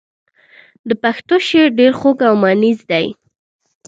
د پښتو شعر ډېر خوږ او مانیز دی.